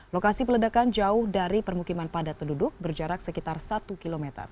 lokasi peledakan jauh dari permukiman padat penduduk berjarak sekitar satu km